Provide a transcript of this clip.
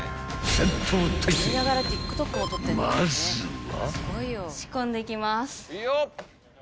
［まずは］